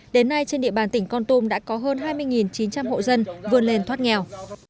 đến nay trên địa bàn tỉnh con tum đã có hơn hai mươi chín trăm linh hộ dân vươn lên thoát nghèo